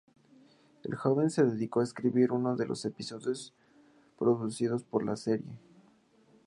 El joven se dedicó a escribir uno de los episodios producidos para la serie.